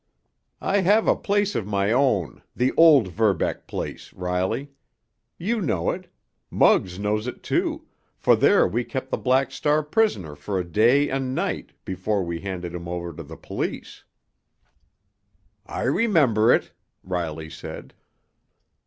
"I have a place of my own—the old Verbeck place, Riley. You know it. Muggs knows it, too, for there we kept the Black Star prisoner for a day and night before we handed him over to the police." "I remember it," Riley said.